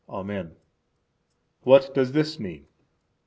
Amen. What does this mean?